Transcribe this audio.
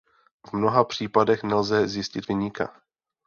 V mnoha případech nelze zjistit viníka.